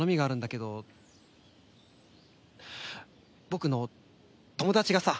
僕の友達がさ。